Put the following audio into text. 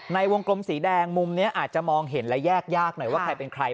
ในวงกลมสีแดงมุมนี้อาจจะมองเห็นและแยกยากหน่อยว่าใครเป็นใคร